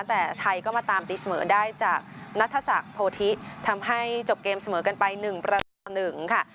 แต่ไทยก็มาตามตีเสมอได้จากนัทศักดิ์โพธิทำให้จบเกมเสมอกันไป๑ประตูต่อ๑ค่ะ